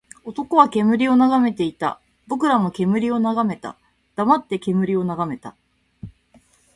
男は煙を眺めていた。僕らも煙を眺めた。黙って煙を眺めた。